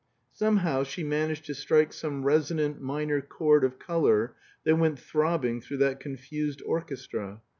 Somehow she managed to strike some resonant minor chord of color that went throbbing through that confused orchestra.